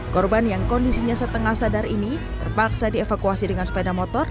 korban yang kondisinya setengah sadar ini terpaksa dievakuasi dengan sepeda motor